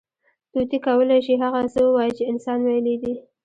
طوطي کولی شي، هغه څه ووایي، چې انسان ویلي دي.